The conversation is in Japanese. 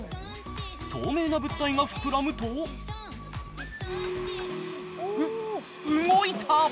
透明な物体が膨らむと、う、動いた。